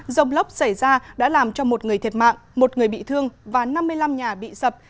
rông lốc xảy ra đã làm cho một người thiệt mạng một người bị thương và năm mươi năm nhà bị sập